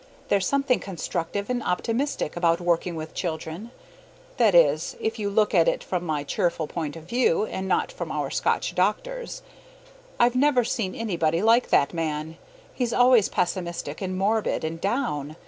There's something constructive and optimistic about working with children; that is, if you look at it from my cheerful point of view, and not from our Scotch doctor's. I've never seen anybody like that man; he's always pessimistic and morbid and down.